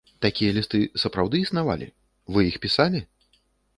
Такія лісты сапраўды існавалі, вы іх пісалі?